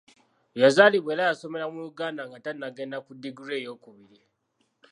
Yazaalibwa era yasomera mu Uganda nga tannagenda ku ddiguli eyokubiri.